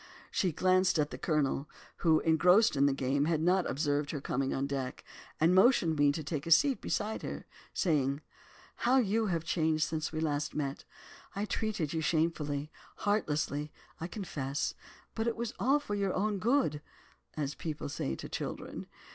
She glanced at the Colonel, who, engrossed in the game, had not observed her coming on deck, and motioned me to take a seat beside her, saying, 'How you have changed since we last met! I treated you shamefully—heartlessly, I confess, but it was all for your good, as people say to children.